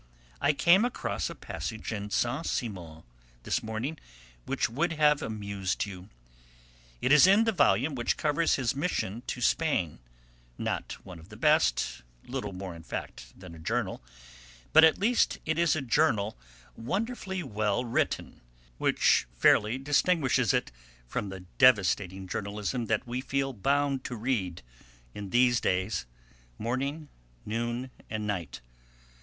I came across a passage in Saint Simon this morning which would have amused you. It is in the volume which covers his mission to Spain; not one of the best, little more in fact than a journal, but at least it is a journal wonderfully well written, which fairly distinguishes it from the devastating journalism that we feel bound to read in these days, morning, noon and night."